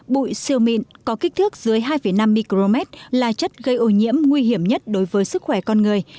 bụi siêu mịn có kích thước dưới hai năm micromet là chất gây ô nhiễm nguy hiểm nhất đối với sức khỏe con người